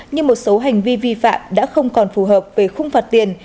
như một số hành vi vi phạm đã không còn phù hợp với khung phạt tiền